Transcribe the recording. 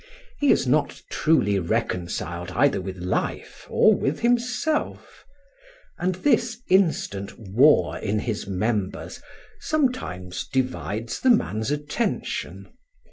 He is not truly reconciled either with life or with himself; and this instant war in his members sometimes divides the man's attention.